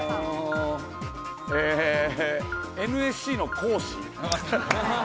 ＮＳＣの講師。